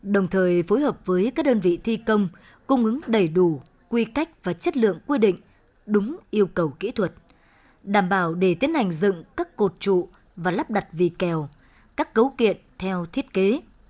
đồng thời phối hợp với các đơn vị thi công cung ứng đầy đủ quy cách và chất lượng quy định đúng yêu cầu kỹ thuật đảm bảo để tiến hành dựng các cột trụ và lắp đặt vị kèo các cấu kiện theo thiết kế